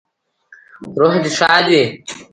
روح دې ښاد وي